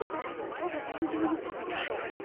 今日とは全然、違いますよねきっと。